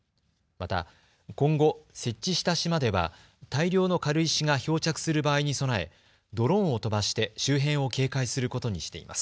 また今後、設置した島では大量の軽石が漂着する場合に備えドローンを飛ばして周辺を警戒することにしています。